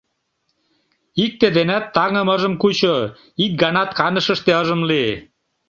Икте денат таҥым ыжым кучо, ик ганат канышыште ыжым лий.